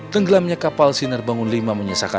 tenggelamnya kapal siner bangun v menyesakan